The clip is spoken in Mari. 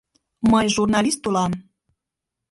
— Мый журналист улам.